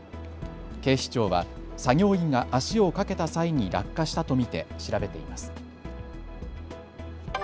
警視庁は作業員が足をかけた際に落下したと見て調べています。